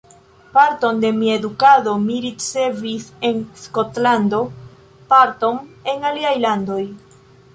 Parton de mia edukado mi ricevis en Skotlando, parton en aliaj landoj.